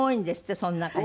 その中に。